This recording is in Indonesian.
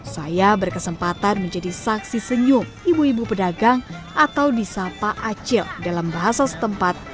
saya berkesempatan menjadi saksi senyum ibu ibu pedagang atau disapa acil dalam bahasa setempat